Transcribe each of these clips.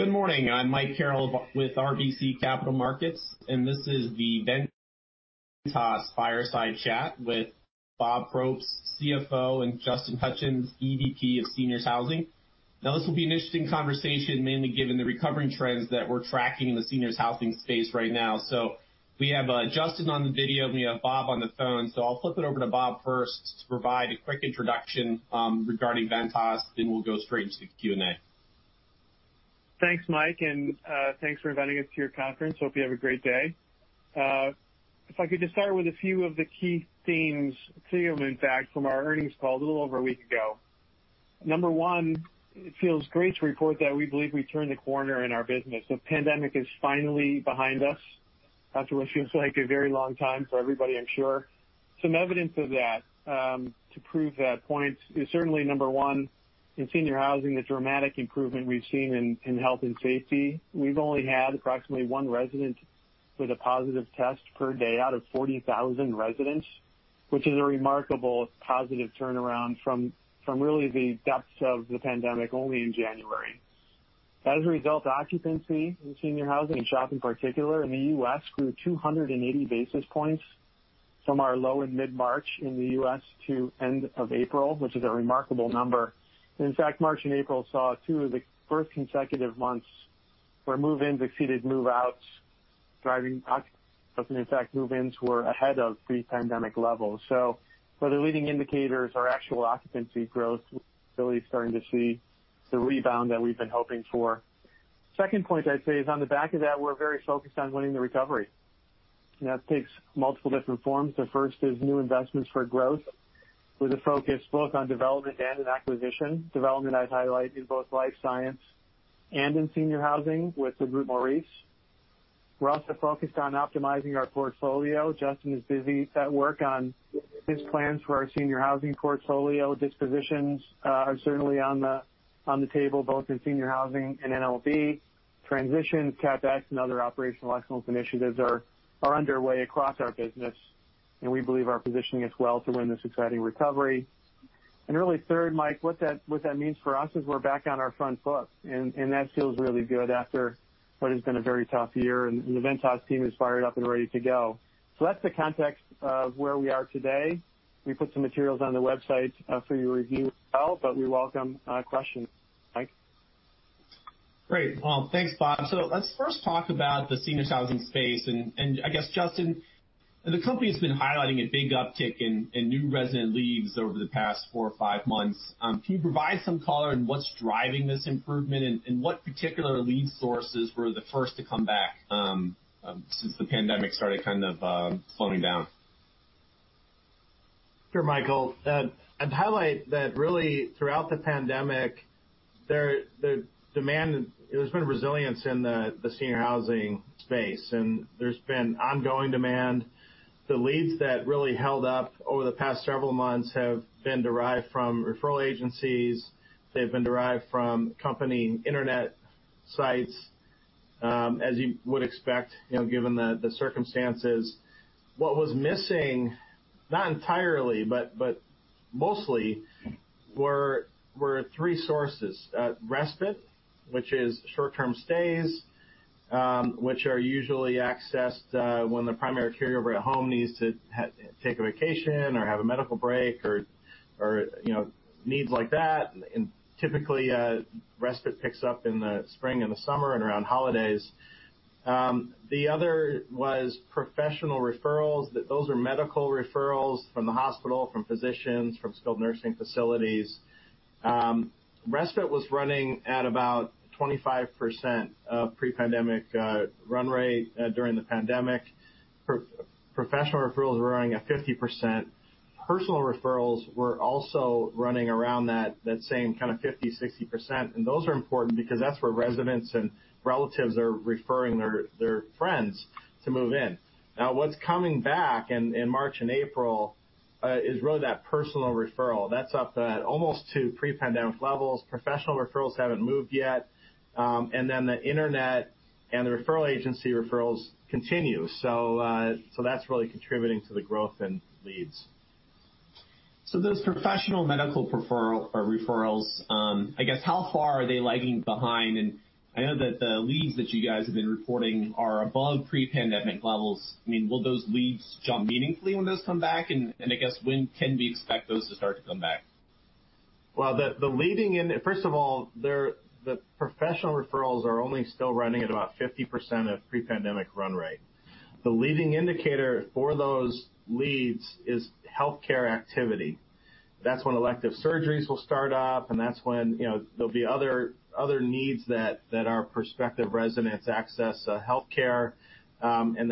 Good morning. I'm Mike Carroll with RBC Capital Markets, and this is the Ventas Fireside Chat with Bob Probst, CFO, and Justin Hutchens, EVP of Seniors Housing. Now, this will be an interesting conversation, mainly given the recovery trends that we're tracking in the seniors' housing space right now. So we have Justin on the video, and we have Bob on the phone. So I'll flip it over to Bob first to provide a quick introduction regarding Ventas, then we'll go straight into the Q&A. Thanks, Mike, and thanks for inviting us to your conference. Hope you have a great day. If I could just start with a few of the key themes, three of them, in fact, from our earnings call a little over a week ago. Number one, it feels great to report that we believe we've turned the corner in our business. The pandemic is finally behind us after what feels like a very long time for everybody, I'm sure. Some evidence of that to prove that point is certainly, number one, in senior housing, the dramatic improvement we've seen in health and safety. We've only had approximately one resident with a positive test per day out of 40,000 residents, which is a remarkable positive turnaround from really the depths of the pandemic only in January. As a result, occupancy in senior housing and SHOP in particular in the U.S. grew 280 basis points from our low in mid-March in the U.S. to end of April, which is a remarkable number. In fact, March and April saw two of the first consecutive months where move-ins exceeded move-outs, driving up. In fact, move-ins were ahead of pre-pandemic levels. So whether leading indicators are actual occupancy growth, we're really starting to see the rebound that we've been hoping for. Second point I'd say is on the back of that, we're very focused on winning the recovery. That takes multiple different forms. The first is new investments for growth with a focus both on development and in acquisition. Development, I'd highlight, in both life science and in senior housing with the Groupe Maurice. We're also focused on optimizing our portfolio. Justin is busy at work on his plans for our senior housing portfolio. Dispositions are certainly on the table both in senior housing and MOB. Transitions, CapEx, and other operational excellence initiatives are underway across our business, and we believe our positioning is well to win this exciting recovery, and really third, Mike, what that means for us is we're back on our front foot, and that feels really good after what has been a very tough year, and the Ventas team is fired up and ready to go, so that's the context of where we are today. We put some materials on the website for your review as well, but we welcome questions, Mike. Great. Thanks, Bob. Let's first talk about the seniors' housing space. I guess, Justin, the company has been highlighting a big uptick in new resident leads over the past four or five months. Can you provide some color on what's driving this improvement, and what particular lead sources were the first to come back since the pandemic started kind of slowing down? Sure, Mike. I'd highlight that really throughout the pandemic, there's been resilience in the senior housing space, and there's been ongoing demand. The leads that really held up over the past several months have been derived from referral agencies. They've been derived from company internet sites, as you would expect given the circumstances. What was missing, not entirely, but mostly, were three sources: respite, which is short-term stays, which are usually accessed when the primary caregiver at home needs to take a vacation or have a medical break or needs like that, and typically, respite picks up in the spring and the summer and around holidays. The other was professional referrals. Those are medical referrals from the hospital, from physicians, from skilled nursing facilities. Respite was running at about 25% of pre-pandemic run rate during the pandemic. Professional referrals were running at 50%. Personal referrals were also running around that same kind of 50%-60%. And those are important because that's where residents and relatives are referring their friends to move in. Now, what's coming back in March and April is really that personal referral. That's up at almost two pre-pandemic levels. Professional referrals haven't moved yet. And then the internet and the referral agency referrals continue. So that's really contributing to the growth in leads. So those professional medical referrals, I guess, how far are they lagging behind? And I know that the leads that you guys have been reporting are above pre-pandemic levels. I mean, will those leads jump meaningfully when those come back? And I guess, when can we expect those to start to come back? The leading, first of all, the professional referrals are only still running at about 50% of pre-pandemic run rate. The leading indicator for those leads is healthcare activity. That's when elective surgeries will start up, and that's when there'll be other needs that our prospective residents access healthcare. And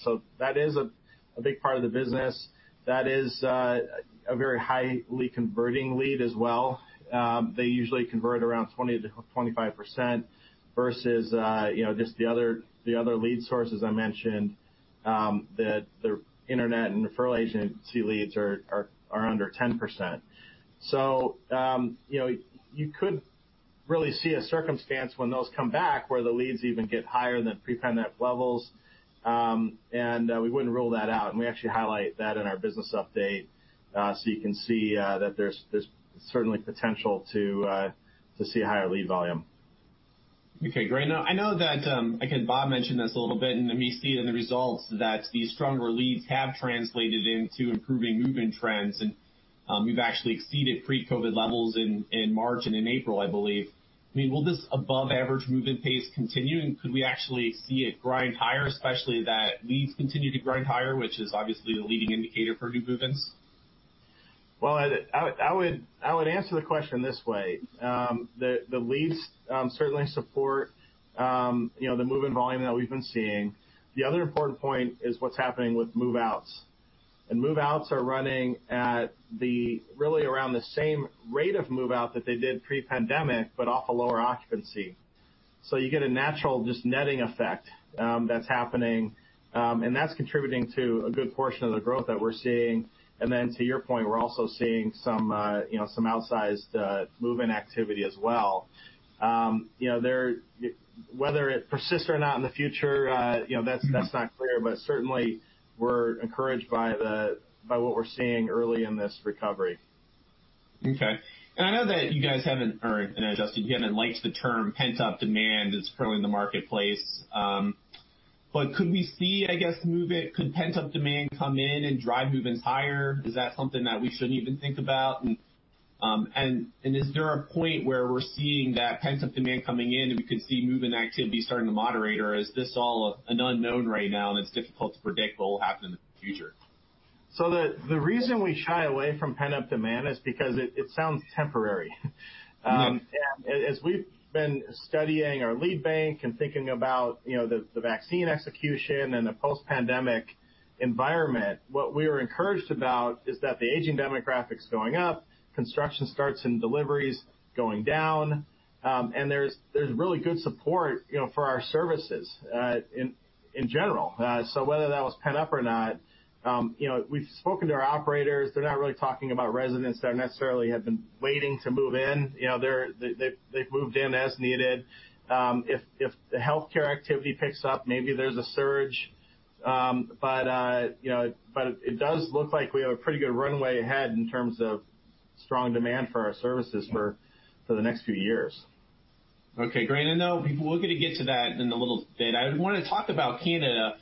so that is a big part of the business. That is a very highly converting lead as well. They usually convert around 20%-25% versus just the other lead sources I mentioned. The internet and referral agency leads are under 10%. So you could really see a circumstance when those come back where the leads even get higher than pre-pandemic levels. And we wouldn't rule that out. We actually highlight that in our business update so you can see that there's certainly potential to see a higher lead volume. Okay. Great. Now, I know that, again, Bob mentioned this a little bit, and we see it in the results that these stronger leads have translated into improving move-in trends. And we've actually exceeded pre-COVID levels in March and in April, I believe. I mean, will this above-average move-in pace continue? And could we actually see it grind higher, especially that leads continue to grind higher, which is obviously the leading indicator for new move-in? I would answer the question this way. The leads certainly support the move-in volume that we've been seeing. The other important point is what's happening with move-outs. Move-outs are running at really around the same rate of move-out that they did pre-pandemic, but off a lower occupancy. You get a natural just netting effect that's happening, and that's contributing to a good portion of the growth that we're seeing. Then to your point, we're also seeing some outsized move-in activity as well. Whether it persists or not in the future, that's not clear, but certainly we're encouraged by what we're seeing early in this recovery. Okay. And I know that you guys haven't, or I know, Justin, you haven't liked the term pent-up demand that's growing the marketplace. But could we see, I guess, move-in, could pent-up demand come in and drive move-in higher? Is that something that we shouldn't even think about? And is there a point where we're seeing that pent-up demand coming in and we could see move-in activity starting to moderate, or is this all an unknown right now, and it's difficult to predict what will happen in the future? So the reason we shy away from pent-up demand is because it sounds temporary. And as we've been studying our lead gen and thinking about the vaccine execution and the post-pandemic environment, what we were encouraged about is that the aging demographic's going up, construction starts and deliveries going down, and there's really good support for our services in general. So whether that was pent-up or not, we've spoken to our operators. They're not really talking about residents that necessarily have been waiting to move in. They've moved in as needed. If the healthcare activity picks up, maybe there's a surge. But it does look like we have a pretty good runway ahead in terms of strong demand for our services for the next few years. Okay. Great. And we're going to get to that in a little bit. I want to talk about Canada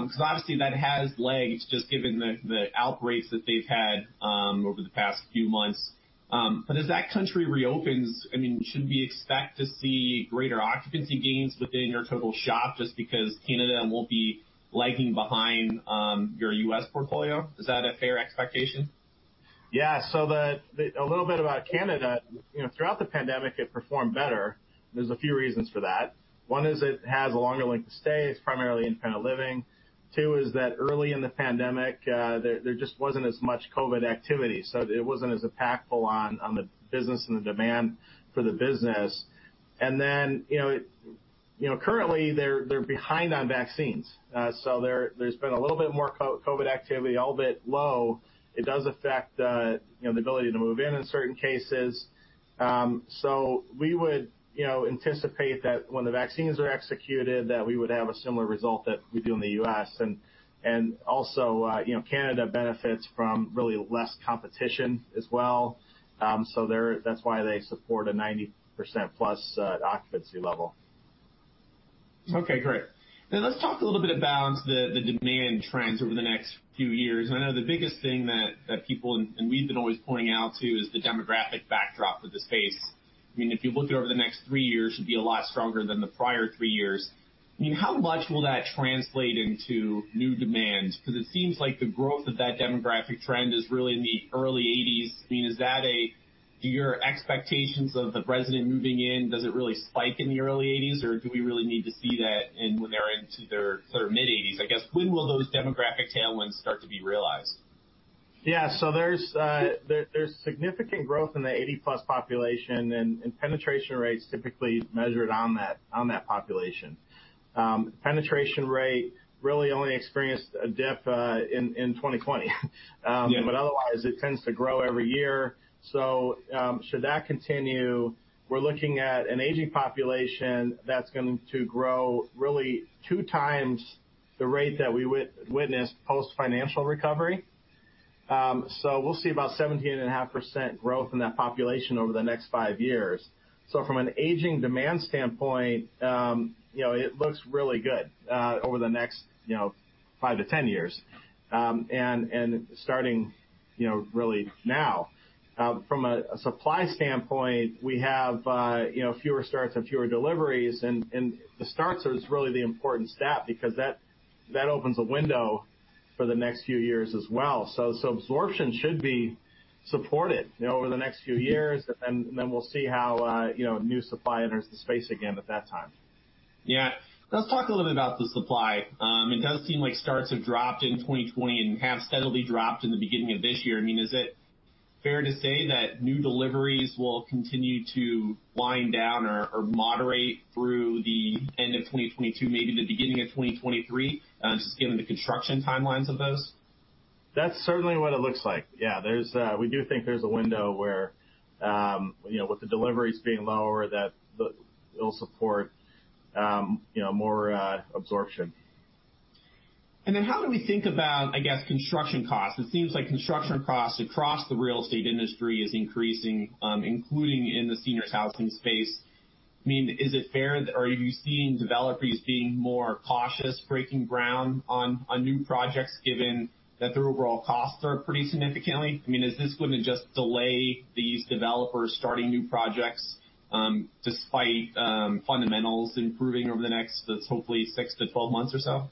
because obviously that has legs just given the outbreaks that they've had over the past few months. But as that country reopens, I mean, should we expect to see greater occupancy gains within your total SHOP just because Canada won't be lagging behind your U.S. portfolio? Is that a fair expectation? Yeah. So a little bit about Canada. Throughout the pandemic, it performed better. There's a few reasons for that. One is it has a longer length of stay. It's primarily independent living. Two is that early in the pandemic, there just wasn't as much COVID activity. So it wasn't as impactful on the business and the demand for the business. And then currently, they're behind on vaccines. So there's been a little bit more COVID activity, a little bit low. It does affect the ability to move in in certain cases. So we would anticipate that when the vaccines are executed, that we would have a similar result that we do in the U.S. And also, Canada benefits from really less competition as well. So that's why they support a 90% plus occupancy level. Okay. Great. Now, let's talk a little bit about the demand trends over the next few years. And I know the biggest thing that people—and we've been always pointing out too—is the demographic backdrop of the space. I mean, if you look at over the next three years, it should be a lot stronger than the prior three years. I mean, how much will that translate into new demand? Because it seems like the growth of that demographic trend is really in the early '80s. I mean, do your expectations of the resident moving in, does it really spike in the early '80s, or do we really need to see that when they're into their sort of mid-'80s? I guess, when will those demographic tailwinds start to be realized? Yeah. So there's significant growth in the 80-plus population, and penetration rate's typically measured on that population. Penetration rate really only experienced a dip in 2020. But otherwise, it tends to grow every year. So should that continue, we're looking at an aging population that's going to grow really two times the rate that we witnessed post-financial recovery. So we'll see about 17.5% growth in that population over the next five years. So from an aging demand standpoint, it looks really good over the next five to 10 years and starting really now. From a supply standpoint, we have fewer starts and fewer deliveries. And the starts are really the important stat because that opens a window for the next few years as well. So absorption should be supported over the next few years, and then we'll see how new supply enters the space again at that time. Yeah. Let's talk a little bit about the supply. It does seem like starts have dropped in 2020 and have steadily dropped in the beginning of this year. I mean, is it fair to say that new deliveries will continue to wind down or moderate through the end of 2022, maybe the beginning of 2023, just given the construction timelines of those? That's certainly what it looks like. Yeah. We do think there's a window where with the deliveries being lower, that it'll support more absorption. Then how do we think about, I guess, construction costs? It seems like construction costs across the real estate industry is increasing, including in the seniors' housing space. I mean, is it fair, or are you seeing developers being more cautious breaking ground on new projects given that their overall costs are up pretty significantly? I mean, is this going to just delay these developers starting new projects despite fundamentals improving over the next, that's hopefully 6 to 12 months or so?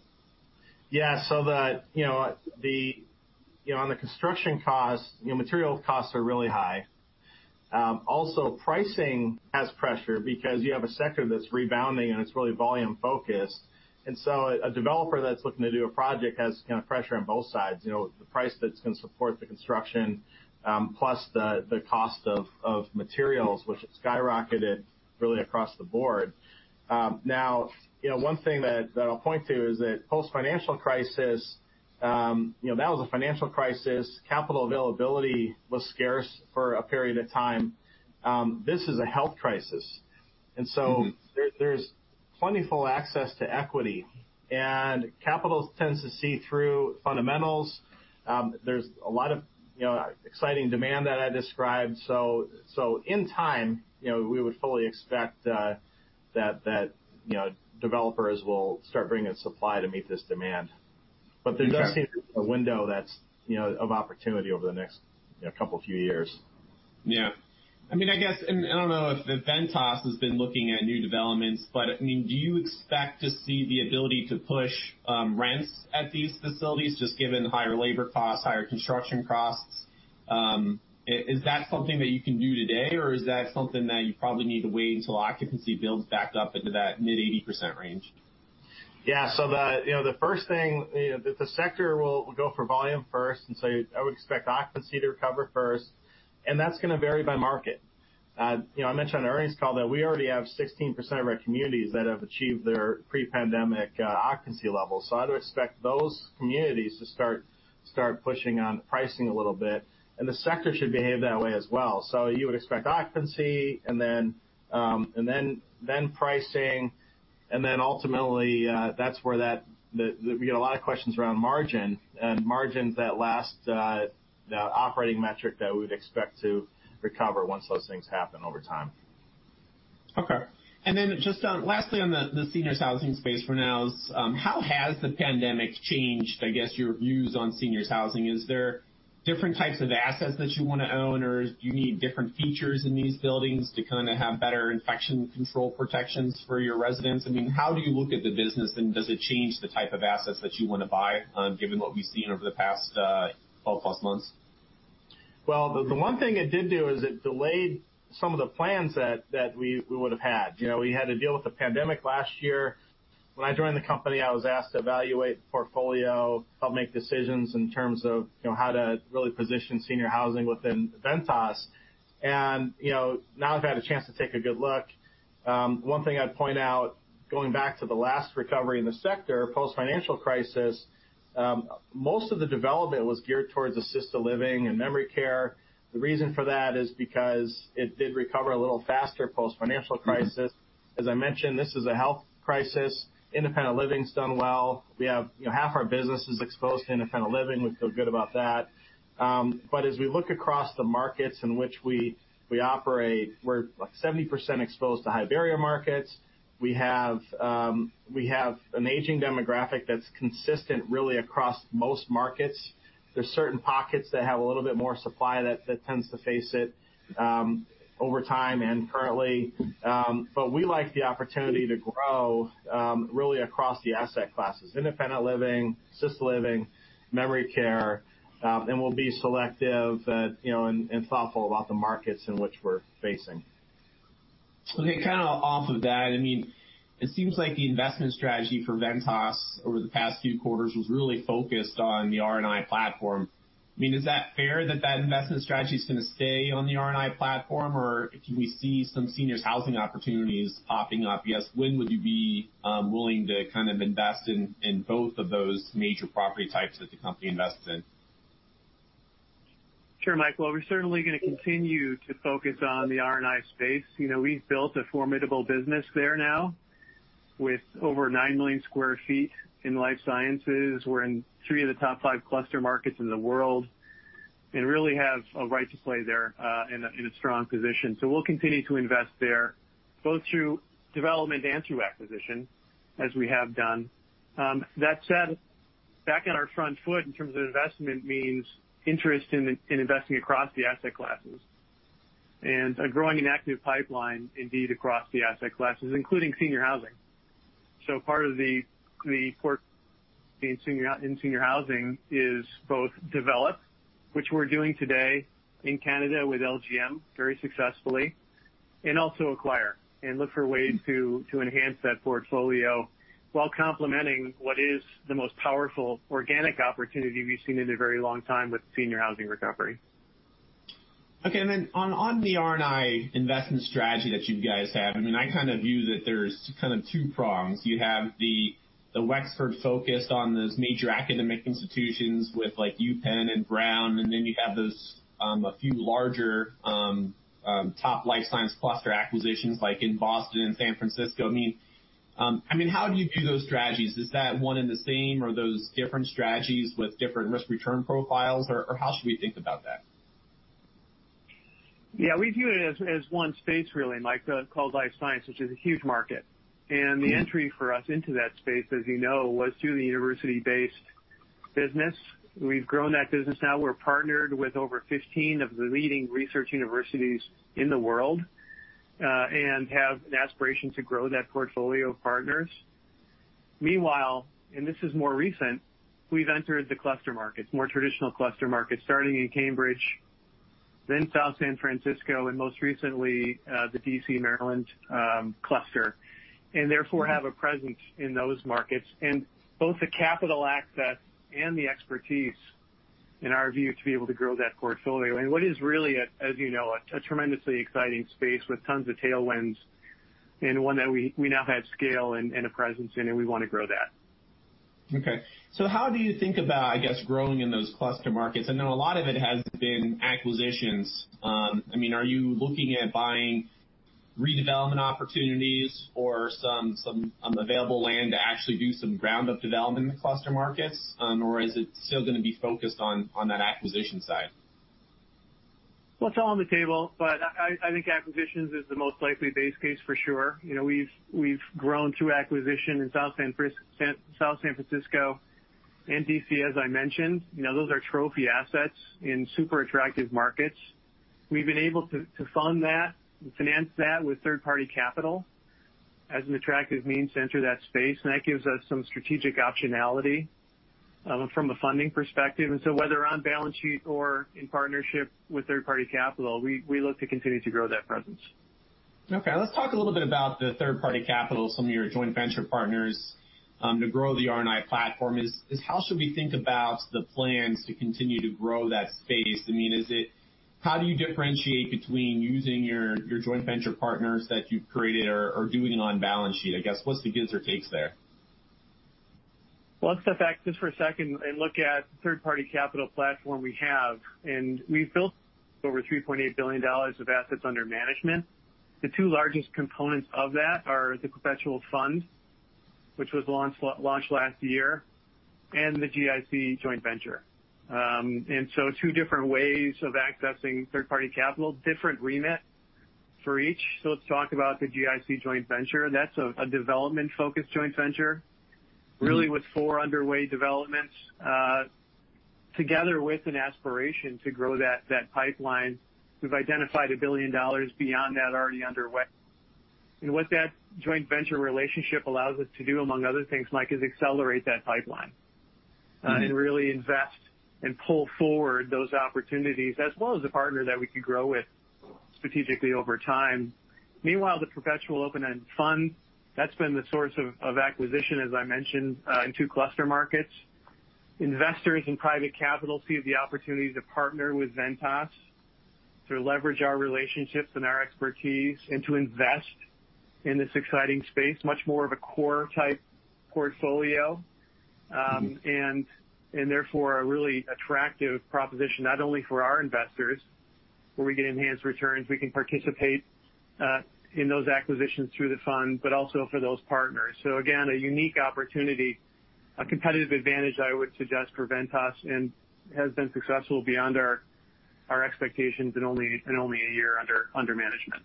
Yeah, so on the construction costs, material costs are really high, also, pricing has pressure because you have a sector that's rebounding, and it's really volume-focused, and so a developer that's looking to do a project has pressure on both sides. The price that's going to support the construction plus the cost of materials, which has skyrocketed really across the board, now, one thing that I'll point to is that post-financial crisis, that was a financial crisis. Capital availability was scarce for a period of time. This is a health crisis, and so there's plentiful access to equity. And capital tends to see through fundamentals, there's a lot of exciting demand that I described, so in time, we would fully expect that developers will start bringing in supply to meet this demand, but there does seem to be a window of opportunity over the next couple of few years. Yeah. I mean, I guess, and I don't know if Ventas has been looking at new developments, but I mean, do you expect to see the ability to push rents at these facilities just given higher labor costs, higher construction costs? Is that something that you can do today, or is that something that you probably need to wait until occupancy builds back up into that mid-80% range? Yeah. So the first thing, the sector will go for volume first. And so I would expect occupancy to recover first. And that's going to vary by market. I mentioned on our earnings call that we already have 16% of our communities that have achieved their pre-pandemic occupancy levels. So I'd expect those communities to start pushing on pricing a little bit. And the sector should behave that way as well. So you would expect occupancy and then pricing. And then ultimately, that's where we get a lot of questions around margin and margins that last, the operating metric that we would expect to recover once those things happen over time. Okay. And then just lastly on the seniors' housing space for now, how has the pandemic changed, I guess, your views on seniors' housing? Is there different types of assets that you want to own, or do you need different features in these buildings to kind of have better infection control protections for your residents? I mean, how do you look at the business, and does it change the type of assets that you want to buy given what we've seen over the past 12-plus months? The one thing it did do is it delayed some of the plans that we would have had. We had to deal with the pandemic last year. When I joined the company, I was asked to evaluate the portfolio, help make decisions in terms of how to really position senior housing within Ventas. Now I've had a chance to take a good look. One thing I'd point out, going back to the last recovery in the sector post-financial crisis, most of the development was geared towards assisted living and memory care. The reason for that is because it did recover a little faster post-financial crisis. As I mentioned, this is a health crisis. Independent living's done well. Half our business is exposed to independent living. We feel good about that. As we look across the markets in which we operate, we're 70% exposed to high barrier markets. We have an aging demographic that's consistent really across most markets. There's certain pockets that have a little bit more supply that tends to phase it over time and currently. But we like the opportunity to grow really across the asset classes: independent living, assisted living, memory care. And we'll be selective and thoughtful about the markets in which we're focusing. Okay. Kind of off of that, I mean, it seems like the investment strategy for Ventas over the past few quarters was really focused on the R&I platform. I mean, is that fair that the investment strategy is going to stay on the R&I platform, or can we see some seniors' housing opportunities popping up? I guess, when would you be willing to kind of invest in both of those major property types that the company invests in? Sure, Michael. We're certainly going to continue to focus on the R&I space. We've built a formidable business there now with over nine million sq ft in life sciences. We're in three of the top five cluster markets in the world and really have a right to play there in a strong position. So we'll continue to invest there both through development and through acquisition as we have done. That said, backing our front foot in terms of investment means interest in investing across the asset classes and a growing and active pipeline indeed across the asset classes, including senior housing. So part of the portfolio in senior housing is both develop, which we're doing today in Canada with LGM very successfully, and also acquire and look for ways to enhance that portfolio while complementing what is the most powerful organic opportunity we've seen in a very long time with senior housing recovery. Okay. And then on the R&I investment strategy that you guys have, I mean, I kind of view that there's kind of two prongs. You have the Wexford focused on those major academic institutions with UPenn and Brown, and then you have a few larger top life science cluster acquisitions like in Boston and San Francisco. I mean, how do you view those strategies? Is that one and the same, or are those different strategies with different risk return profiles, or how should we think about that? Yeah. We view it as one space really, Michael, called life science, which is a huge market. And the entry for us into that space, as you know, was through the university-based business. We've grown that business now. We're partnered with over 15 of the leading research universities in the world and have an aspiration to grow that portfolio of partners. Meanwhile, and this is more recent, we've entered the cluster markets, more traditional cluster markets, starting in Cambridge, then South San Francisco, and most recently the D.C./Maryland cluster, and therefore have a presence in those markets and both the capital access and the expertise in our view to be able to grow that portfolio. And what is really, as you know, a tremendously exciting space with tons of tailwinds and one that we now have scale and a presence in, and we want to grow that. Okay, so how do you think about, I guess, growing in those cluster markets? I know a lot of it has been acquisitions. I mean, are you looking at buying redevelopment opportunities or some available land to actually do some ground-up development in the cluster markets, or is it still going to be focused on that acquisition side? It's all on the table, but I think acquisitions is the most likely base case for sure. We've grown through acquisition in South San Francisco and D.C., as I mentioned. Those are trophy assets in super attractive markets. We've been able to fund that and finance that with third-party capital as an attractive means to enter that space. And that gives us some strategic optionality from a funding perspective. And so whether on balance sheet or in partnership with third-party capital, we look to continue to grow that presence. Okay. Let's talk a little bit about the third-party capital, some of your joint venture partners to grow the R&I platform. How should we think about the plans to continue to grow that space? I mean, how do you differentiate between using your joint venture partners that you've created or doing it on balance sheet? I guess, what's the give and take there? Let's step back just for a second and look at the third-party capital platform we have. We've built over $3.8 billion of assets under management. The two largest components of that are the Perpetual Fund, which was launched last year, and the GIC Joint Venture. Two different ways of accessing third-party capital, different remit for each. Let's talk about the GIC Joint Venture. That's a development-focused joint venture really with four underway developments together with an aspiration to grow that pipeline. We've identified $1 billion beyond that already underway. What that joint venture relationship allows us to do, among other things, Michael, is accelerate that pipeline and really invest and pull forward those opportunities as well as a partner that we could grow with strategically over time. Meanwhile, the Perpetual Open-End Fund, that's been the source of acquisition, as I mentioned, in two cluster markets. Investors and private capital see the opportunity to partner with Ventas to leverage our relationships and our expertise and to invest in this exciting space, much more of a core-type portfolio, and therefore a really attractive proposition not only for our investors where we get enhanced returns, we can participate in those acquisitions through the fund, but also for those partners. So again, a unique opportunity, a competitive advantage I would suggest for Ventas and has been successful beyond our expectations in only a year under management.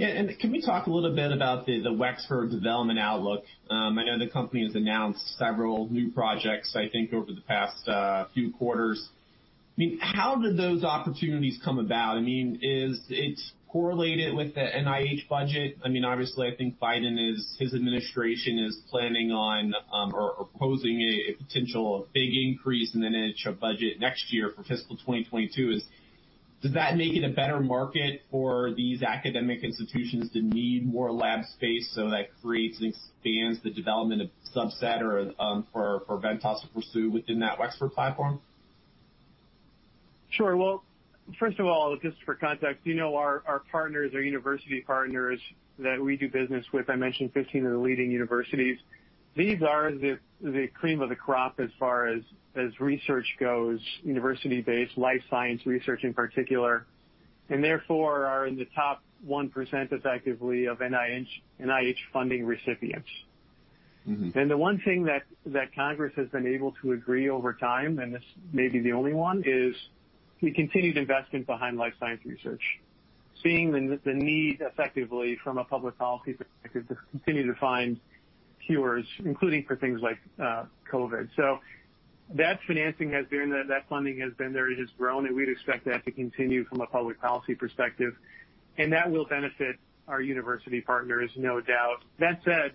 Yeah. And can we talk a little bit about the Wexford development outlook? I know the company has announced several new projects, I think, over the past few quarters. I mean, how did those opportunities come about? I mean, is it correlated with the NIH budget? I mean, obviously, I think Biden and his administration is planning on or proposing a potential big increase in the NIH budget next year for fiscal 2022. Does that make it a better market for these academic institutions that need more lab space so that creates and expands the development of subset or for Ventas to pursue within that Wexford platform? Sure. Well, first of all, just for context, our partners are university partners that we do business with. I mentioned 15 of the leading universities. These are the cream of the crop as far as research goes, university-based life science research in particular, and therefore are in the top 1% effectively of NIH funding recipients. And the one thing that Congress has been able to agree over time, and this may be the only one, is continued investment behind life science research, seeing the need effectively from a public policy perspective to continue to find cures, including for things like COVID. So that financing has been there, that funding has been there, it has grown, and we'd expect that to continue from a public policy perspective. And that will benefit our university partners, no doubt. That said,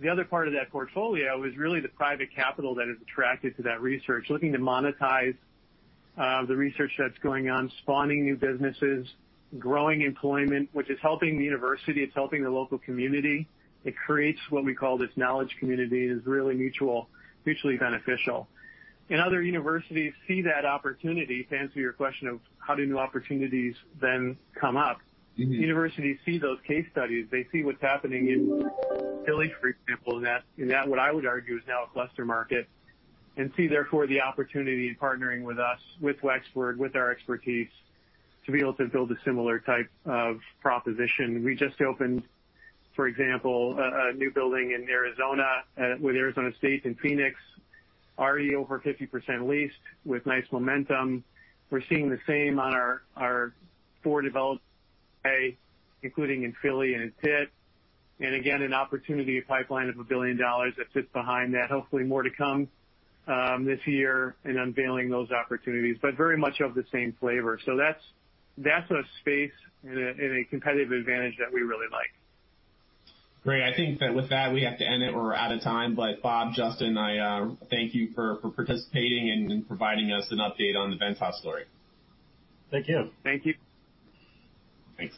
the other part of that portfolio is really the private capital that is attracted to that research, looking to monetize the research that's going on, spawning new businesses, growing employment, which is helping the university. It's helping the local community. It creates what we call this knowledge community and is really mutually beneficial, and other universities see that opportunity. To answer your question of how do new opportunities then come up, universities see those case studies. They see what's happening in Philly, for example, in that what I would argue is now a cluster market, and see therefore the opportunity in partnering with us, with Wexford, with our expertise to be able to build a similar type of proposition. We just opened, for example, a new building in Arizona with Arizona State in Phoenix, already over 50% leased with nice momentum. We're seeing the same on our four developed in the USA, including in Philly and in Pitt, and again, an opportunity pipeline of $1 billion that sits behind that, hopefully more to come this year in unveiling those opportunities, but very much of the same flavor. So that's a space and a competitive advantage that we really like. Great. I think that with that, we have to end it. We're out of time. But Bob, Justin, I thank you for participating and providing us an update on the Ventas story. Thank you. Thank you. Thanks.